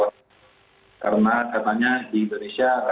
dan misalnya mereka selalu berdalih menggunakan beroperasi robot